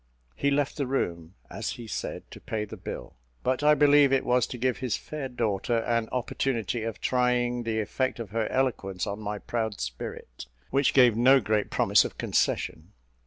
He left the room, as he said, to pay the bill; but I believe it was to give his fair daughter an opportunity of trying the effect of her eloquence on my proud spirit, which gave no great promise of concession.